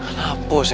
enak juga anif paula